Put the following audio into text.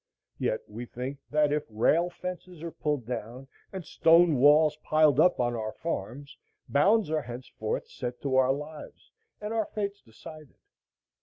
Yet we think that if rail fences are pulled down, and stone walls piled up on our farms, bounds are henceforth set to our lives and our fates decided.